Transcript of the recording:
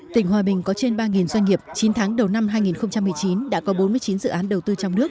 tỉnh hòa bình có trên ba doanh nghiệp chín tháng đầu năm hai nghìn một mươi chín đã có bốn mươi chín dự án đầu tư trong nước